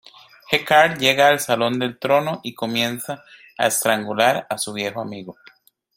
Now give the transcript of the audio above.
G’Kar llega al salón del trono y comienza a estrangular a su viejo amigo.